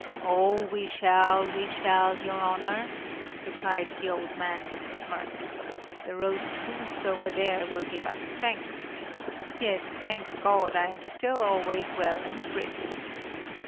"Oh, we shall, we shall, your Honor," replied the old man with a smirk; "the roast goose over there will give us strength! Yes, thank God, I am still always well and brisk!"